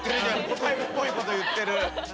答えっぽいこと言ってる。